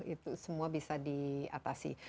itu semua bisa diatasi